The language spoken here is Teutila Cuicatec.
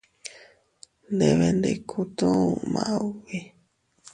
Ndebendikutuu maubi.